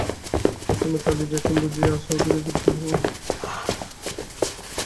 মাসিমা ছাদে গিয়াছেন বুঝিয়া আশাও ধীরে ধীরে তাঁহার অনুসরণ করিল।